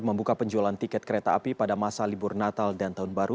membuka penjualan tiket kereta api pada masa libur natal dan tahun baru